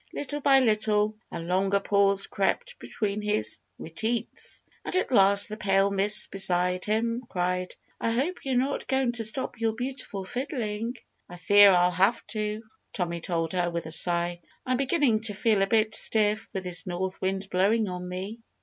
Little by little a longer pause crept between his re teats. And at last the pale miss beside him cried, "I hope you're not going to stop your beautiful fiddling!" "I fear I'll have to," Tommy told her with a sigh. "I'm beginning to feel a bit stiff, with this north wind blowing on me."